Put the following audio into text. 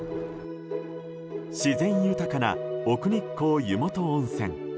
自然豊かな奥日光湯元温泉。